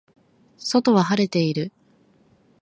外は晴れている